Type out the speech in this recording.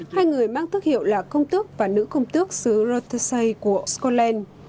hai người mang thức hiệu là công tước và nữ công tước sứ rothesay của scotland